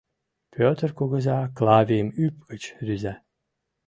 Пӧтыр кугыза Клавийым ӱп гыч рӱза.